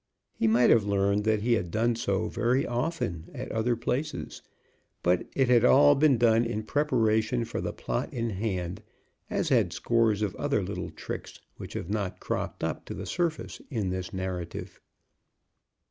He might have learned that he had done so very often at other places; but it had all been done in preparation for the plot in hand, as had scores of other little tricks which have not cropped up to the surface in this narrative.